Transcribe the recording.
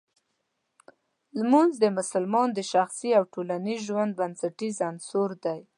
لمونځ د مسلمان د شخصي او ټولنیز ژوند بنسټیز عنصر دی.